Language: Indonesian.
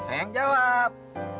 gue yang jawab